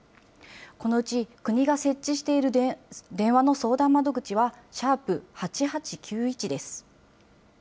このうち国が設置している電話の相談窓口は、＃８８９１です。